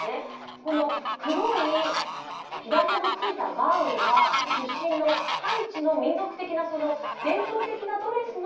この黒いヒラヒラのついたガウンは出身のハイチの民族的な伝統的なドレスの